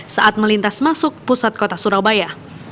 saat melintas masuk pusat kota surabaya